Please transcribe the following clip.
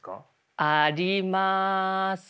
ありますね。